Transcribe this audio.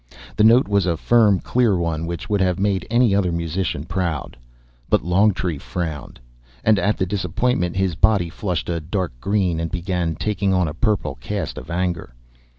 The note was a firm clear one which would have made any other musician proud. But Longtree frowned, and at the disappointment his body flushed a dark green and began taking on a purple cast of anger.